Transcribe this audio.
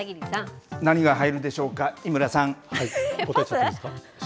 何が入るでしょうか、井村さ答えちゃっていいですか？